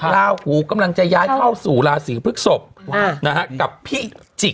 ราวหูกำลังจะย้ายเข้าสู่ราศีพฤศพนะครับกับพี่จิก